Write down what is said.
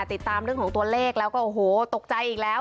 ติดตามเรื่องของตัวเลขแล้วก็โอ้โหตกใจอีกแล้ว